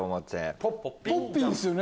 ポッピンですよね？